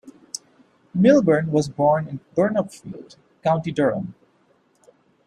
Milburn was born in Burnopfield, County Durham.